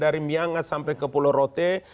dari miangas sampai ke pulau rote